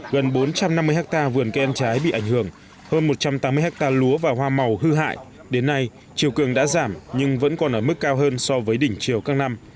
gần bốn trăm năm mươi hectare vườn khen trái bị ảnh hưởng hơn một trăm tám mươi hectare lúa và hoa màu hư hại đến nay chiều cường đã giảm nhưng vẫn còn ở mức cao hơn so với đỉnh chiều các năm